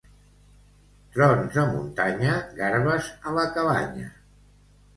Trons a muntanya, garbes a la cabanya.